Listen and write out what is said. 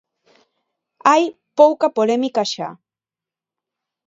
Hai pouco polémica xa.